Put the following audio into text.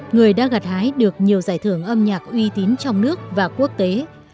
người đã gặt hái được nhiều giải thưởng âm nhạc uy tín trong nước và quốc tế